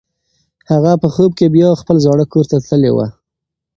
هغه په خوب کې بیا خپل زاړه کور ته تللې وه.